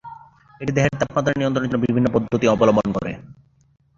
এটি দেহের তাপমাত্রা নিয়ন্ত্রণের জন্যে বিভিন্ন পদ্ধতি অবলম্বন করে।